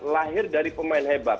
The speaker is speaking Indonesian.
lahir dari pemain hebat